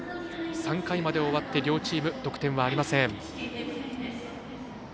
３回まで終わって両チーム、得点ありません。